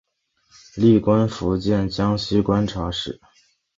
历官福建江西观察使。